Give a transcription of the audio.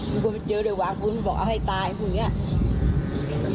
มึงคงไม่เจอเดี๋ยววางมึงบอกเอาให้ตายพูดเงี้ย